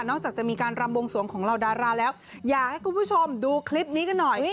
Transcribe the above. จากจะมีการรำวงสวงของเหล่าดาราแล้วอยากให้คุณผู้ชมดูคลิปนี้กันหน่อย